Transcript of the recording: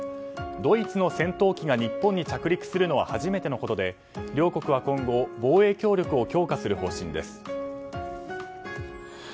ドイツの戦闘機が日本に着陸するのは初めてのことで両国は今後防衛協力を強化する方針です。